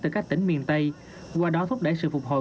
từ các tỉnh miền tây qua đó thúc đẩy sự phục hồi